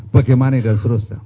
bagaimana dan seterusnya